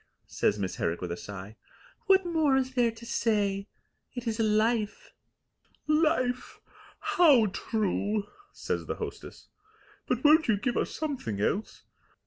says Miss Herrick with a sigh. "What more is there to say? It is Life." "Life! How true!" says the hostess. "But won't you give us something else?